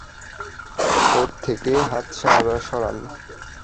ওর থেকে হাত সরান।